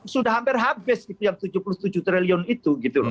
sudah hampir habis yang tujuh puluh tujuh triliun itu